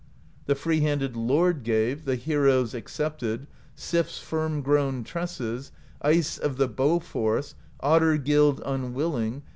The free handed Lord gave. The heroes accepted, SiPs firm grown tresses. Ice of the bow force. Otter gild unwilling.